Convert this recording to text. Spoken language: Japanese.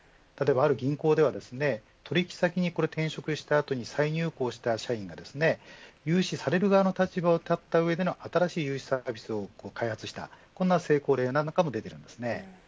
ある銀行では取引先に転職した後に再入行した社員が融資される側の立場に立った上での新しい融資サービスを開発した成功例なんかも出ています。